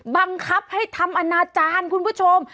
บังคับให้ทำอนาจารย์คุณผู้ชม